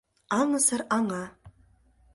Аҥысыр аҥа